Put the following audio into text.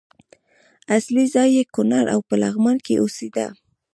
اصلي ځای یې کونړ او په لغمان کې اوسېده.